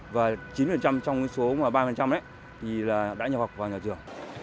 và chín trong cái số mà ba thì là đã nhập học vào nhà trường